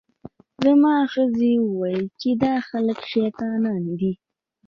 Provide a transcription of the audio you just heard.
زما ښځې وویل چې دا خلک شیطانان دي.